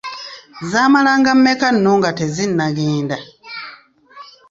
Zaamalanga mmeka nno nga tezinagenda!